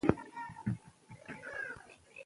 افغانستان تل د کابل د نوم له مخې پېژندل کېږي.